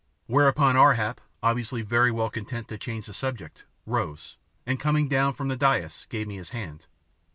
Whereon Ar hap, obviously very well content to change the subject, rose, and, coming down from the dais, gave me his hand.